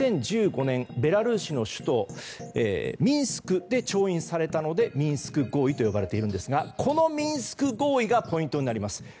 ２０１５年ベラルーシの首都ミンスクで調印されたのでミンスク合意と呼ばれているんですがこのミンスク合意がポイントになります。